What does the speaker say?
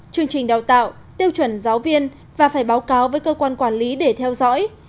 chương trình đào tạo tiêu chuẩn giáo viên và phải báo cáo với cơ quan quản lý để theo dõi